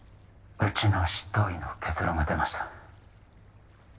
うちの執刀医の結論が出ました